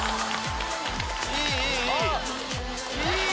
いいいいいい！